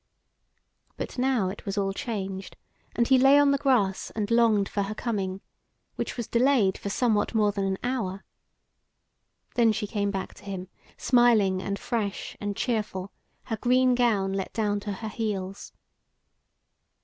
But now it was all changed, and he lay on the grass and longed for her coming; which was delayed for somewhat more than an hour. Then she came back to him, smiling and fresh and cheerful, her green gown let down to her heels.